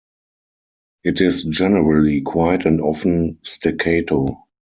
It is generally quiet and often staccato.